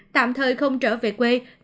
tạm thời không trở về quê